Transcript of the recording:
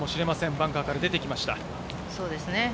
バンカーから出てきました。